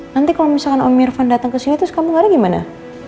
nanti kalo misalkan om irfan dateng kesini terus kamu gak ada gimana